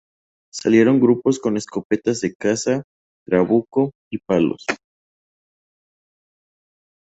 Salieron grupos con escopetas de caza, trabuco y palos.